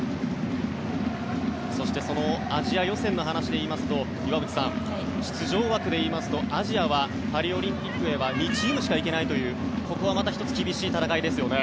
そしてアジア予選の話でいいますと岩渕さん、出場枠でいいますとアジアはパリオリンピックへは２チームしか行けないというここはまた１つ厳しい戦いですよね。